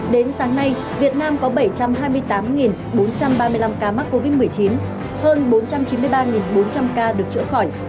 đến sáng nay việt nam có bảy trăm hai mươi tám bốn trăm ba mươi năm ca mắc covid một mươi chín hơn bốn trăm chín mươi ba bốn trăm linh ca được chữa khỏi